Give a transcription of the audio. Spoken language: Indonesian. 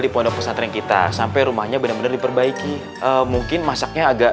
di pondok pesantren kita sampai rumahnya benar benar diperbaiki mungkin masaknya agak